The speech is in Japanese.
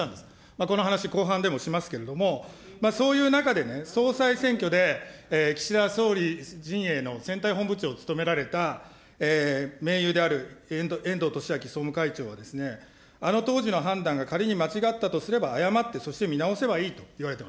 この話、後半でもしますけれども、そういう中でね、総裁選挙で岸田総理陣営の選対本部長を務められた、盟友であるえんどうとしあき総務会長はですね、あの当時の判断が仮に間違ったとすれば、謝って、そして見直せばいいと言っている。